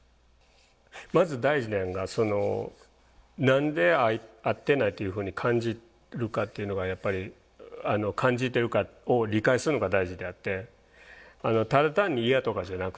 まず大事なんが何で合ってないというふうに感じるかっていうのがやっぱり感じてるかを理解するのが大事であってただ単に嫌とかじゃなくて。